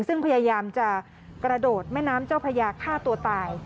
ซึ่งพยายามจะกระโดดแม่น้ำเจ้าพระยาฆ่าตัวตาย